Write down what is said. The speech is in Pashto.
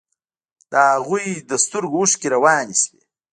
د هغوى له سترګو اوښكې روانې سوې.